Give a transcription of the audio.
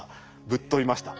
ぶっ飛びました。